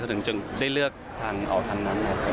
เขาถึงจะได้เลือกทางออกทางนั้น